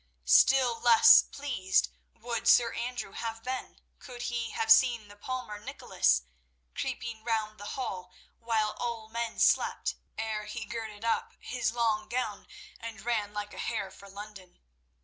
Still less pleased would Sir Andrew have been, could he have seen the palmer Nicholas creeping round the hall while all men slept, ere he girded up his long gown and ran like a hare for London.